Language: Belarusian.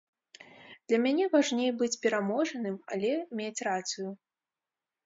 Для мяне важней быць пераможаным, але мець рацыю.